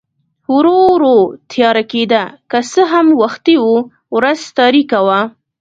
ورو ورو تیاره کېده، که څه هم وختي و، ورځ تاریکه وه.